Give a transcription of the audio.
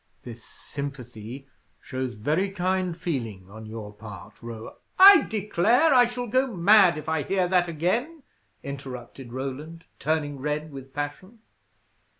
"This sympathy shows very kind feeling on your part, Ro " "I declare I shall go mad if I hear that again!" interrupted Roland, turning red with passion.